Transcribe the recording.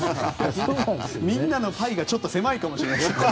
みんなの範囲がちょっと狭いかもしれない。